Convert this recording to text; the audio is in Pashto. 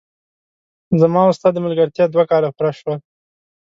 زما او ستا د ملګرتیا دوه کاله پوره شول!